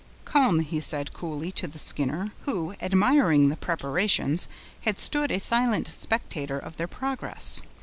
"Come," he said coolly to the Skinner, who, admiring the preparations, had stood a silent spectator of their progress.